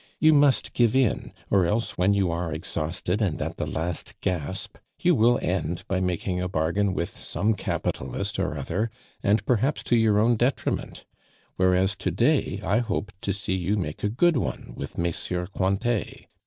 You must give in, or else when you are exhausted and at the last gasp, you will end by making a bargain with some capitalist or other, and perhaps to your own detriment, whereas to day I hope to see you make a good one with MM. Cointet.